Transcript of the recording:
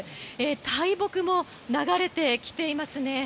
大木も流れてきていますね。